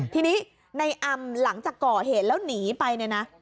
ทีนี้ในอำหลังจากก่อเหตุแล้วหนีไป